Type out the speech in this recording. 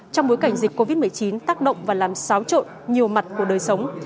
trong bối cảnh dịch covid một mươi chín tác động và làm xáo trộn nhiều mặt của đời sống